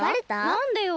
なんでよ？